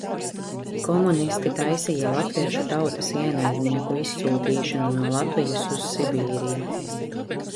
"Komunisti taisīja latviešu tautas "ienaidnieku" izsūtīšanu no Latvijas uz Sibīriju."